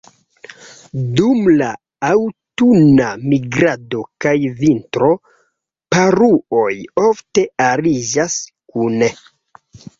Dum la aŭtuna migrado kaj vintro, paruoj ofte ariĝas kune.